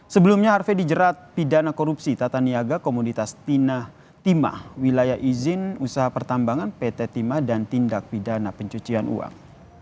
sebelumnya arvey dijerat pidana korupsi tata niaga komunitas tina timah wilayah izin usaha pertambangan pt timah dan tindak pidana pencucian uang